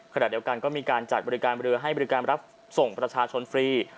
ขณะเดียวกันก็มีการจัดบริการเรือให้บริการรับส่งประชาชนฟรี